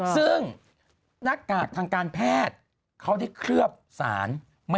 ซึ่งหน้ากากทางการแพทย์เขาได้เคลือบสาร